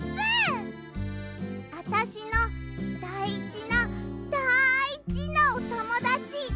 あたしのだいじなだいじなおともだち。